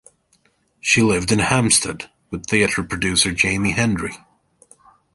She lived in Hampstead with theatre producer Jamie Hendry.